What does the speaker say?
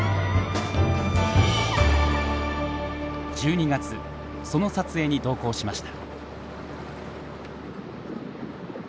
１２月その撮影に同行しました。